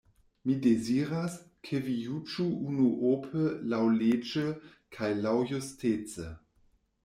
Mi deziras, ke vi juĝu unuope laŭleĝe kaj laŭjustece.